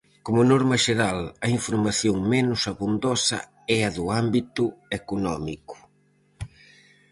Como norma xeral a información menos abondosa é a do ámbito económico.